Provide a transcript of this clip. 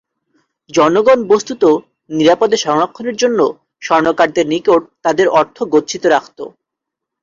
জনগণ বস্ত্তত নিরাপদে সংরক্ষণের জন্য স্বর্ণকারদের নিকট তাদের অর্থ গচ্ছিত রাখত।